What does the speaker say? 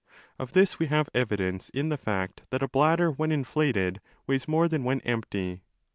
Of this we have evidence in the fact that a bladder when inflated weighs τὸ more than when empty.